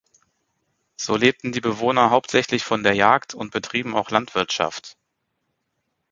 So lebten die Bewohner hauptsächlich von der Jagd und betrieben auch Landwirtschaft.